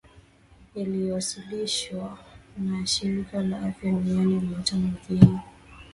yaliyowasilihwa na Shirika la Afya Duniani Jumataano wiki hii